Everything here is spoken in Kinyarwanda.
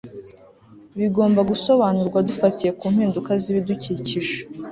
bigomba gusobanurwa dufatiye ku mpinduka z ibidukikije